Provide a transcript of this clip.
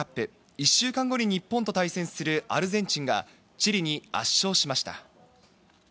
１週間後に日本と対戦するアルゼンチンが、チリに圧勝しました。